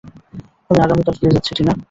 আমি আগামীকাল ফিরে যাচ্ছি, টিনা।